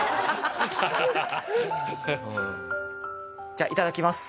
じゃあいただきます。